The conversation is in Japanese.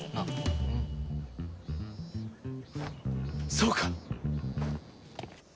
そうか！